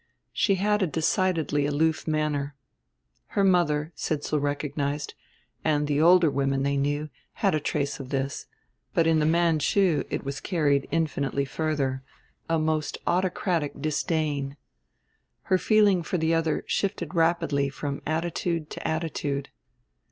She had a decidedly aloof manner. Her mother, Sidsall recognized, and the older women they knew, had a trace of this; but in the Manchu it was carried infinitely further, a most autocratic disdain. Her feeling for the other shifted rapidly from attitude to attitude.